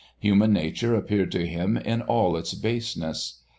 Human nature appeared to him in all its baseness.